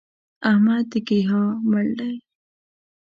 احمد د کيها مړ دی!